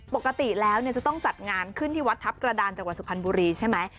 ปกติแล้วจะต้องจัดงานขึ้นที่วัดทัพกระดานจังหวัดสุพรรณบุรีใช่ไหม